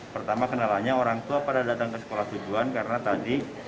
pertama kenalannya orang tua pada datang ke sekolah tujuan karena tadi